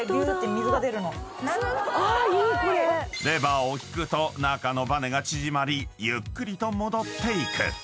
［レバーを引くと中のばねが縮まりゆっくりと戻っていく］